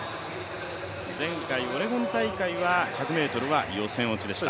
前回オレゴン大会は１００ｍは予選落ちでした。